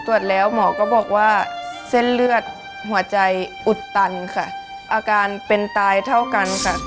ตรวจแล้วหมอก็บอกว่าเส้นเลือดหัวใจอุดตันค่ะอาการเป็นตายเท่ากันค่ะ